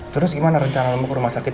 terus gimana rencana mau ke rumah sakit